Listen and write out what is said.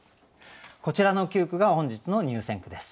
こちらの９句が本日の入選句です。